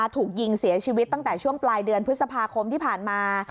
ถูกยิงเสียชีวิตตั้งแต่ช่วงปลายเดือนพฤษภาคมที่ผ่านมา